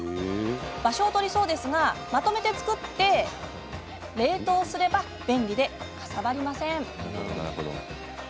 場所を取りそうですがまとめて作って冷凍すれば便利で、かさばりません。